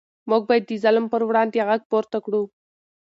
موږ باید د ظلم پر وړاندې غږ پورته کړو.